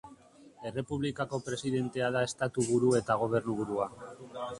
Errepublikako presidentea da estatuburu eta gobernuburua.